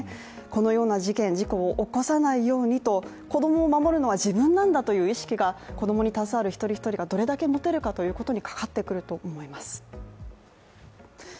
このような事件・事故を起こさないようにと子供を守るのは自分なんだという意識が子供に携わる一人一人がどれだけ持てるかということにかかってくるかと思います。